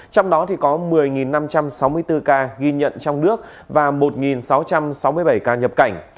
trong đó có một mươi năm trăm sáu mươi bốn ca ghi nhận trong nước và một sáu trăm sáu mươi bảy ca nhập cảnh